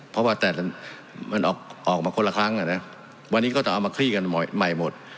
เพราะว่าแต่มันออกมาคนละครั้งอ่ะนะวันนี้ก็ต้องเอามาคลี่กันใหม่หมด